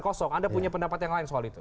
kosong anda punya pendapat yang lain soal itu